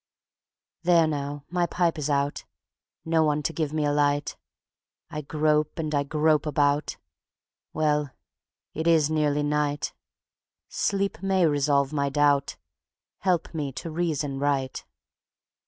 There now, my pipe is out; No one to give me a light; I grope and I grope about. Well, it is nearly night; Sleep may resolve my doubt, Help me to reason right.